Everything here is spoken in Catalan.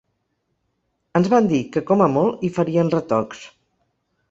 Ens van dir que, com a molt, hi farien retocs.